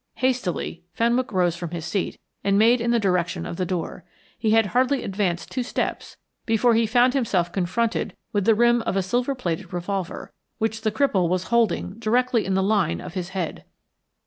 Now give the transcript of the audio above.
Hastily Fenwick rose from his seat and made in the direction of the door. He had hardly advanced two steps before he found himself confronted with the rim of a silver plated revolver, which the cripple was holding directly in the line of his head.